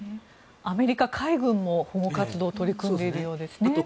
アメリカ海軍も保護活動に取り組んでいるようですね。